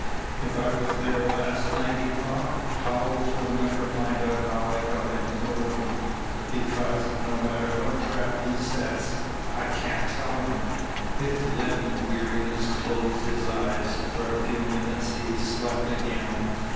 "If I was there last night," he thought, "Howells will never find out how I got into the room, because, no matter what trap he sets, I can't tell him." His leaden weariness closed his eyes. For a few minutes he slept again.